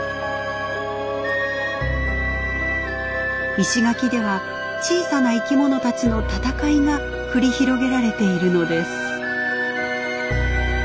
石垣では小さな生き物たちの戦いが繰り広げられているのです。